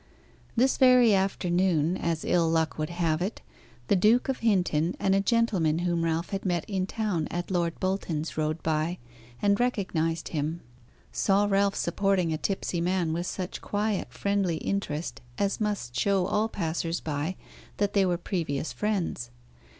This very afternoon, as ill luck would have it, the Duke of Hinton and a gentleman whom Ralph had met in town at Lord Bolton's rode by, and recognised him; saw Ralph supporting a tipsy man with such quiet friendly interest as must show all passers by that they were previous friends.